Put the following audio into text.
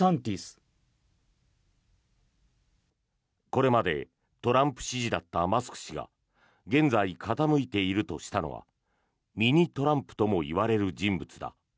これまでトランプ支持だったマスク氏が現在傾いているとしたのはミニ・トランプともいわれる人物だ。